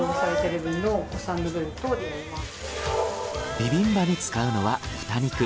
ビビンバに使うのは豚肉。